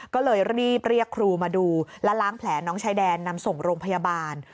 ก็เลยรีบเรียกครูมาดูและล้างแผลน้องชายแดนนำส่งโรงพยาบาล